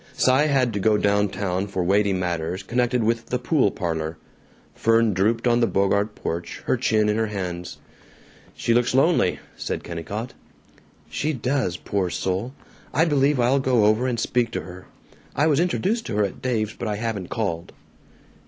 Cy had to go downtown for weighty matters connected with the pool parlor. Fern drooped on the Bogart porch, her chin in her hands. "She looks lonely," said Kennicott. "She does, poor soul. I believe I'll go over and speak to her. I was introduced to her at Dave's but I haven't called."